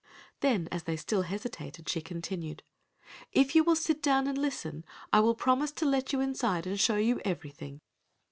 Then as they still hesitated she continued, "If you will sit down and listen, I will promise to let you inside and show you everything."